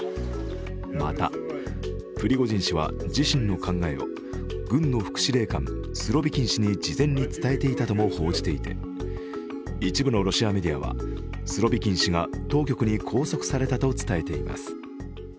また、プリゴジン氏は自身の考えを軍の副司令官、スロビキン氏に事前に伝えていたとも報じていて一部のロシアメディアはスロビキン氏が当局に拘束されたと伝えています。